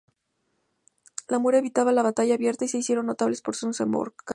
Los mura evitaban la batalla abierta y se hicieron notable por sus emboscadas.